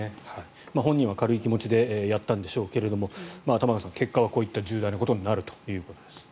本人は軽い気持ちでやったんでしょうが玉川さん結果はこういった重大なことになるということです。